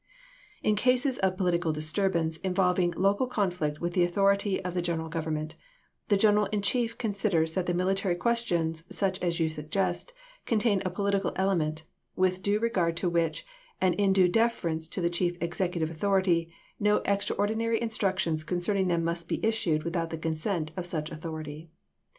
In cases of pohtical disturbance, involvdng local con flict with the authority of the General Government, the General in Chief considers that the mihtary questions, such as you suggest, contain a political element, with due regard to which, and in due deference to the chief execu tive authorit}^, no extraordinary instructions concerning them must be issued without the consent of such au thority.